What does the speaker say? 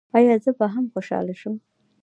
ایا زه به هم خوشحاله شم؟